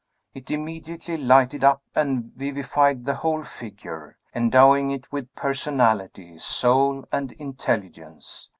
It immediately lighted up and vivified the whole figure, endowing it with personality, soul, and intelligence.